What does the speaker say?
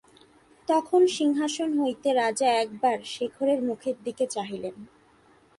তখন সিংহাসন হইতে রাজা একবার শেখরের মুখের দিকে চাহিলেন।